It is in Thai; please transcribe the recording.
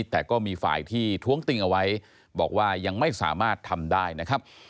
แต่ก็มีฝ่ายที่ท้วงติงเอาไว้บอกว่ายังไม่สามารถทำได้นะครับ